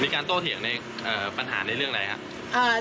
มีการโตเถียงในเอ่อปัญหาในเรื่องอะไรฮะเอ่อ